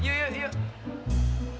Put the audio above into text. yuk yuk yuk